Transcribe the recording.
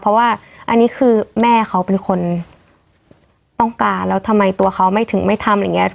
เพราะว่าอันนี้คือแม่เขาเป็นคนต้องการแล้วทำไมตัวเขาไม่ถึงไม่ทำอะไรอย่างนี้